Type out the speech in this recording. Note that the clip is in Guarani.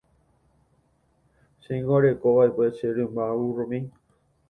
Chéngo arekova'ekue che rymba vurromi.